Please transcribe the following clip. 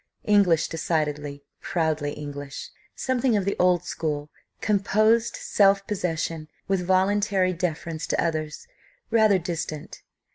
English decidedly proudly English. Something of the old school composed self possession, with voluntary deference to others rather distant.